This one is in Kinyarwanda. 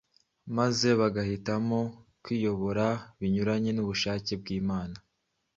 maze bagahitamo kwiyobora binyuranye n’ubushake bw’Imana